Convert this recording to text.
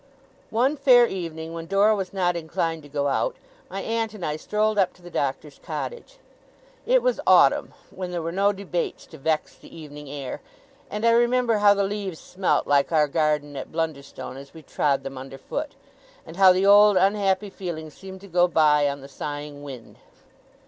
One fair evening, when Dora was not inclined to go out, my aunt and I strolled up to the Doctor's cottage. It was autumn, when there were no debates to vex the evening air; and I remember how the leaves smelt like our garden at Blunderstone as we trod them under foot, and how the old, unhappy feeling, seemed to go by, on the sighing wind.